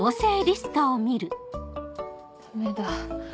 ダメだ。